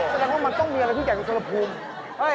แสดงว่ามันต้องมีอะไรที่ใหญ่กว่าชวนภูมิ